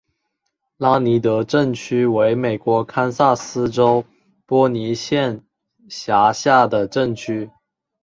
拉尼德镇区为美国堪萨斯州波尼县辖下的镇区。